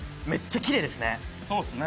そうっすね